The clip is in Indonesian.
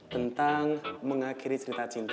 tentang mengakhiri cerita cinta